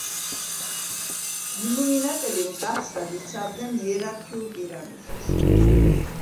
ილუმინატები მკაცრად იცავდნენ „იერარქიულ პირამიდას“.